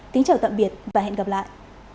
kính chào tạm biệt và hẹn gặp lại